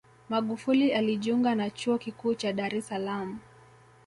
Magufuli alijiunga na Chuo Kikuu cha Dar es Salaam